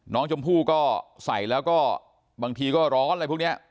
น้องชมพู่ก็ใส่แล้วก็บางทีก็ร้อนอะไรพวกนี้